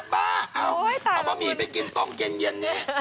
บ้าเอาเอาบะหมี่ไปกินต้องเย็นเนี่ย